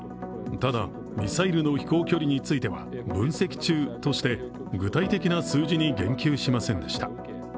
ただ、ミサイルの飛行距離については、分析中として具体的な数字に言及しませんでした。